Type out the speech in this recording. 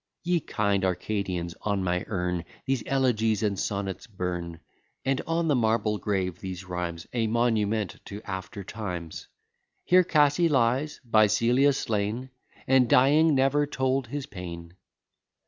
Ye kind Arcadians, on my urn These elegies and sonnets burn; And on the marble grave these rhymes, A monument to after times "Here Cassy lies, by Celia slain, And dying, never told his pain."